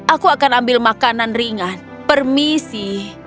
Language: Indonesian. aku akan ambil makanan ringan permisi